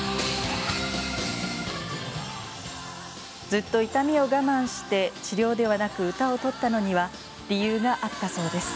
ずっと痛みを我慢して治療ではなく歌を取ったのには理由があったそうです。